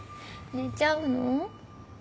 寝ちゃうの？